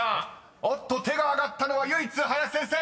［おっと⁉手が挙がったのは唯一林先生！］